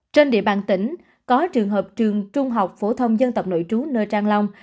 trên địa bàn tỉnh có trường hợp trường trung học phổ thông dân tộc nội trú nơi trang long